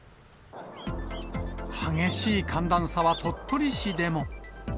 激しい寒暖差は鳥取市でも。